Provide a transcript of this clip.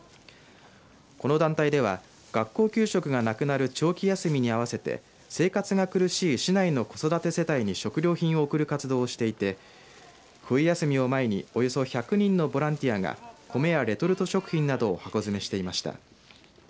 この団体では学校給食がなくなる長期休みに合わせて生活が苦しい市内の子育て世帯に食料品を送る活動をしていて冬休みを前におよそ１００人のボランティアが米やレトルト食品などを箱詰めしていました。